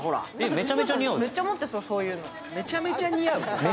めちゃめちゃ似合う？